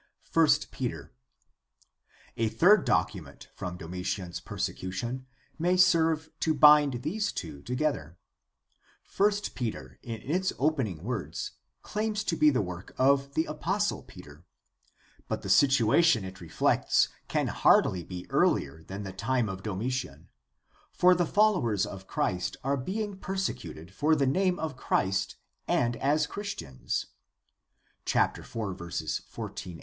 / Peter. — A third document from Domitian's persecution may serve to bind these two together. I Peter in its opening words claims to be the work of the apostle Peter, but the situa tion it reflects can hardly be earlier than the time of Domitian, for the followers of Christ are being persecuted for the name of Christ and as Christians (4:14, 16).